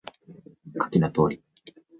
下記の通り